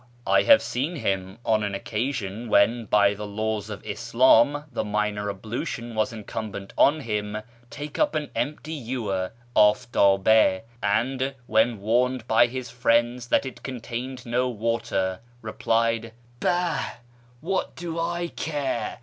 I have seen him, on an occasion when by the laws of Ish'im the minor ablution was incumbent on him, take up an empty ewer (dftdM), and, when warned by his friends that it contained no water, reply, " Bah ! What do I care